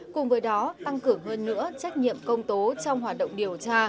cùng với đó tăng cường hơn nữa trách nhiệm công tố trong hoạt động điều tra